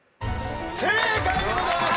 正解でございます！